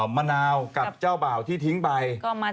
มะนาวกับเจ้าบ่าวที่ทิ้งไป